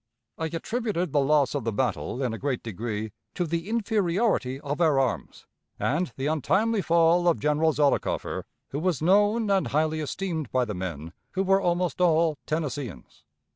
"I attributed the loss of the battle, in a great degree, to the inferiority of our arms and the untimely fall of General Zollicoffer, who was known and highly esteemed by the men, who were almost all Tennesseeans.